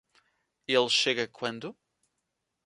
Ele chega quando?